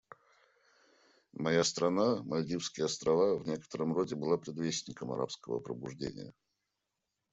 Моя страна, Мальдивские Острова, в некотором роде была предвестником «арабского пробуждения».